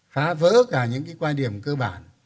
phá vỡ cả những quan điểm cơ bản